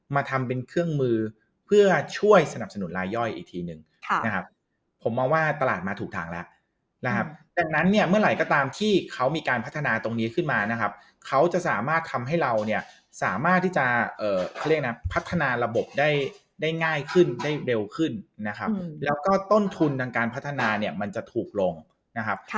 มาทำเป็นเครื่องมือเพื่อช่วยสนับสนุนลายย่อยอีกทีหนึ่งนะครับผมมองว่าตลาดมาถูกทางแล้วนะครับดังนั้นเนี่ยเมื่อไหร่ก็ตามที่เขามีการพัฒนาตรงนี้ขึ้นมานะครับเขาจะสามารถทำให้เราเนี่ยสามารถที่จะเขาเรียกนะพัฒนาระบบได้ได้ง่ายขึ้นได้เร็วขึ้นนะครับแล้วก็ต้นทุนทางการพัฒนาเนี่ยมันจะถูกลงนะครับ